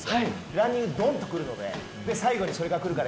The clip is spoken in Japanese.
ランニングはドンとくるので最後にそれが来るから。